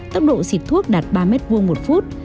tốc độ xịt thuốc đạt ba m hai một phút